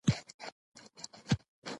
مړه ته د ماښام او سهار دعا وکړه